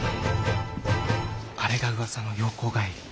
あれがうわさの洋行帰り。